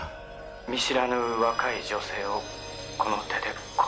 「見知らぬ若い女性をこの手で殺しました」